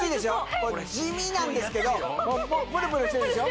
これ地味なんですけどもう無理プルプルしてるでしょ？